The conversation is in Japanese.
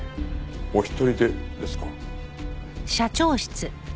お一人でですか。